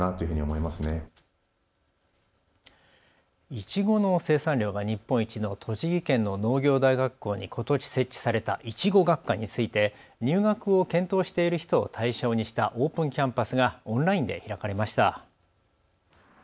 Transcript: いちごの生産量が日本一の栃木県の農業大学校にことし設置されたいちご学科について、入学を検討している人を対象にしたオープンキャンパスがオンラインで開かれました。